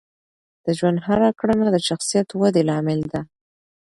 د ژوند هره کړنه د شخصیت ودې لامل ده.